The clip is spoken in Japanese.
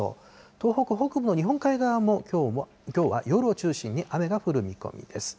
東北北部の日本海側も、きょうは夜を中心に雨が降る見込みです。